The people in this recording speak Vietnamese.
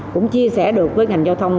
cũng chia sẻ được với ngành giao thông